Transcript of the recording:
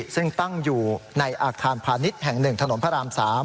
ซึ่งตั้งอยู่ในอาคารพาณิชย์แห่ง๑ถนนพระราม๓